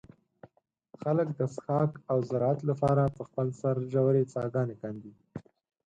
خلک د څښاک او زراعت له پاره په خپل سر ژوې څاګانې کندي.